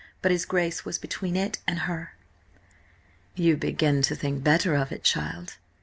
But his Grace was between it and her. "You begin to think better of it, child?